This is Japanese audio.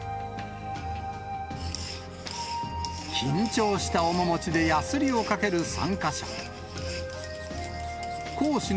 緊張した面持ちで、やすりをかける参加者。